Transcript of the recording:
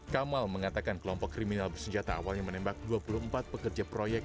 kamal mengatakan kelompok kriminal bersenjata awalnya menembak dua puluh empat pekerja proyek